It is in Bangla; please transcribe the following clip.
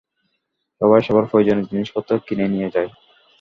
সবাই সবার প্রয়োজনীয় জিনিসপত্র কিনে নিয়ে যায়।